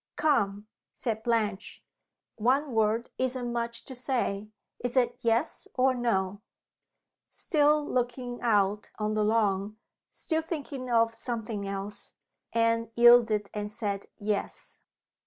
"Come!" said Blanche. "One word isn't much to say. Is it Yes or No?" Still looking out on the lawn still thinking of something else Anne yielded, and said "Yes."